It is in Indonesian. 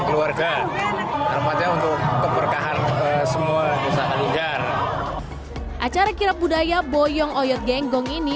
keluarga untuk keberkahan semua pusaka tinggal acara kirap budaya boyong oyot genggong ini